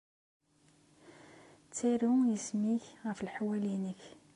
Ttaru isem-nnek ɣef leḥwal-nnek.